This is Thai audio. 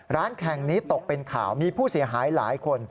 ร้านแข่งนี้ตกเป็นข่าวมีผู้เสียหายหลายคน